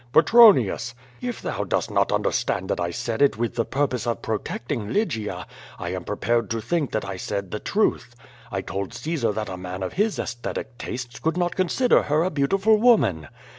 "Petronius!" "If thou dost not understand that I said it with the pur pose of protecting Lygia, I am prepared to think that I said the truth. I told Caesar that a man of his aesthetic tastes could not consider her a beautiful woman.